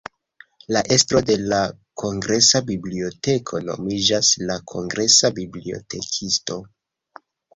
La estro de la Kongresa Biblioteko nomiĝas la Kongresa Bibliotekisto.